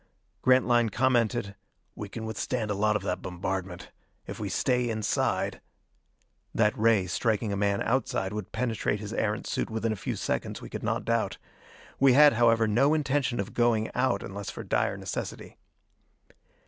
Grantline commented: "We can withstand a lot of that bombardment. If we stay inside " That ray, striking a man outside, would penetrate his Erentz suit within a few seconds, we could not doubt. We had, however, no intention of going out unless for dire necessity.